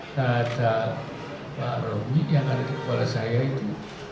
terhadap pak romi yang ada di kepala saya itu